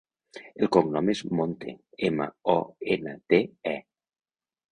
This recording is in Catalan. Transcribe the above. El cognom és Monte: ema, o, ena, te, e.